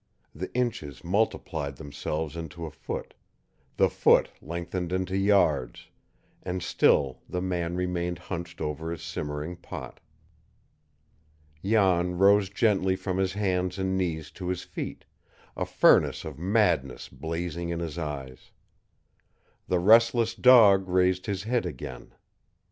The inches multiplied themselves into a foot, the foot lengthened into yards, and still the man remained hunched over his simmering pot. Jan rose gently from his hands and knees to his feet, a furnace of madness blazing in his eyes. The restless dog raised his head again.